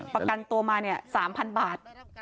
ประกันตัวมาเนี่ย๓๐๐๐บาท